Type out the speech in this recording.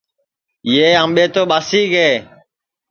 یہ آمٻے تو ٻاسی گے